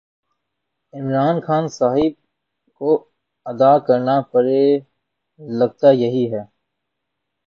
عمران خان صاحب کو ادا کرنا پڑے لگتا یہی ہے